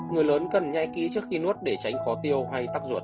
người lớn cần nhạy ký trước khi nuốt để tránh khó tiêu hay tắc ruột